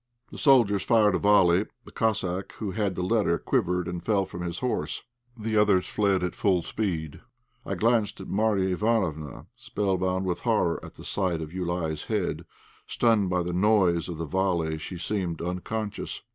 The soldiers fired a volley. The Cossack who had the letter quivered and fell from his horse; the others fled at full speed. I glanced at Marya Ivánofna. Spellbound with horror at the sight of Joulaï's head, stunned by the noise of the volley, she seemed unconscious.